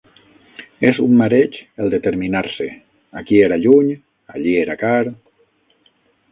És un mareig el determinar-se. Aquí era lluny, allí era car